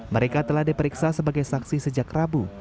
mereka telah diperiksa sebagai saksi sejak rabu